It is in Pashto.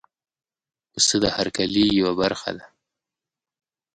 پسه د هر کلي یو برخه ده.